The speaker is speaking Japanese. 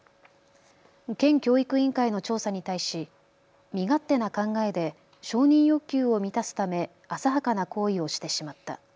県教育委員会の調査に対し身勝手な考えで承認欲求を満たすため浅はかな行為をしてしまった。